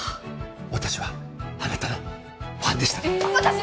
私はあなたのファンでしたえ！？